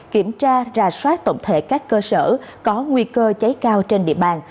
kiểm tra ra soát tổng thể các cơ sở có nguy cơ cháy cao trên địa bàn